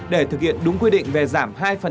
để thực hiện đúng quy định về giảm hai